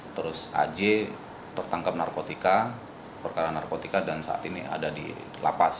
terus aj tertangkap narkotika perkara narkotika dan saat ini ada di lapas